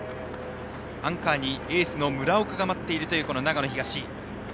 アンカーにエースの村岡が待っている長野東。